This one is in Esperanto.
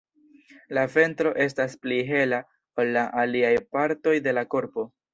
La ventro estas pli hela ol la aliaj partoj de la korpo.